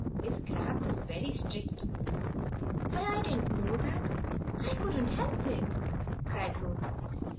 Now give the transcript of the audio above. Miss Cramp is very strict." "But I didn't know that. I couldn't help it," cried Ruth.